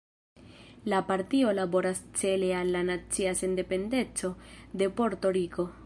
La partio laboras cele al la nacia sendependeco de Porto-Riko.